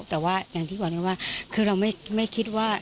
แต่ว่าอย่างที่บอกไงว่าคือเราไม่คิดว่า